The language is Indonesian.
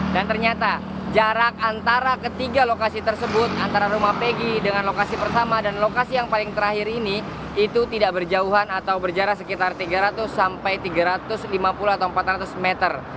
dan ternyata jarak antara ketiga lokasi tersebut antara rumah pegi dengan lokasi pertama dan lokasi yang paling terakhir ini itu tidak berjauhan atau berjarak sekitar tiga ratus sampai tiga ratus lima puluh atau empat ratus meter